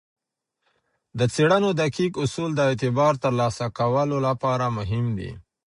د څیړنو دقیق اصول د اعتبار ترلاسه کولو لپاره مهم دي.